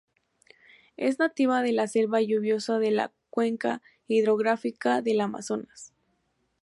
Es nativa de la selva lluviosa de la cuenca hidrográfica del Amazonas.